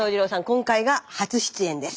今回が初出演です。